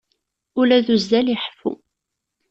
Ula d uzzal iḥeffu.